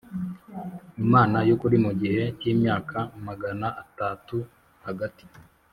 Imana yukuri mu gihe cy imyaka magana atatu Hagati